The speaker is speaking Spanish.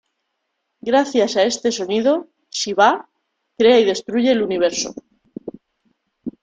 Gracias a este sonido, Shivá crea y destruye el universo.